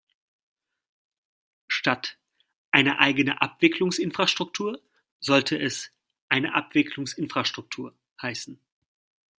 Statt "eine eigene Abwicklungsinfrastruktur” sollte es "eine Abwicklungsinfrastruktur" heißen.